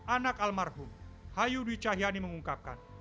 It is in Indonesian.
anak almarhum hayudwi cahyani mengungkapkan